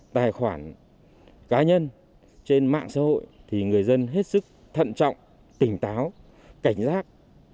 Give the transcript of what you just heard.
tài khoản cá nhân trên mạng xã hội thì người dân hết sức thận trọng tỉnh táo cảnh giác